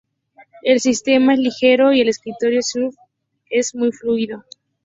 El sistema es ligero y el escritorio Xfce es muy fluido.